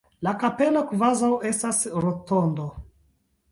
La kapelo kvazaŭ estas rotondo.